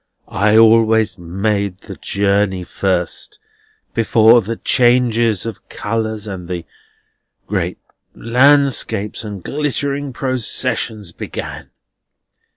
I always made the journey first, before the changes of colours and the great landscapes and glittering processions began.